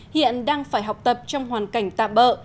hiện đang phải học tập trong hoàn cảnh tạm bỡ